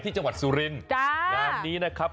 ที่จังหวัดสุรินแล้างานนี้นะครับ